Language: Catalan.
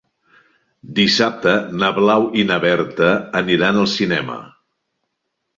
Dissabte na Blau i na Berta aniran al cinema.